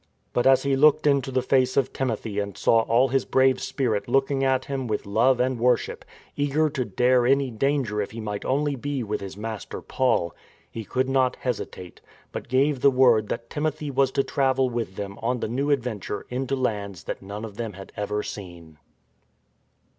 But as he looked into the face of Timothy and saw all his brave spirit looking at him with love and wor ship, eager to dare any danger if he might only be with his master Paul, he could not hesitate, but gave the word that Timothy was to travel with them on the new adventure into lands that none of them had ever seen.